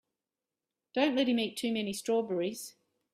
Don't let him eat too many strawberries.